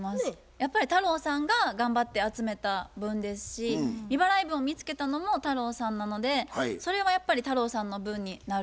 やっぱり太郎さんが頑張って集めた分ですし未払い分を見つけたのも太郎さんなのでそれはやっぱり太郎さんの分になるのかなって思います。